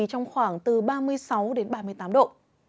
trong khoảng từ ba mươi sáu đến ba mươi tám độ